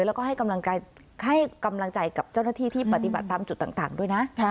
แล้วก็ให้กำลังใจกับเจ้าหน้าที่ที่ปฏิบัติตามจุดต่างด้วยนะ